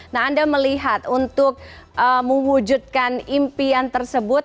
nah anda melihat untuk mewujudkan impian tersebut